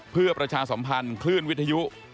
เพื่อประชาสัมพันธ์คลื่นวิทยุ